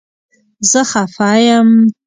زه خفه یم